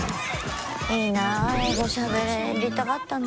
いいな英語しゃべりたかったな。